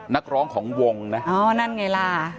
นักร้องของวงนะ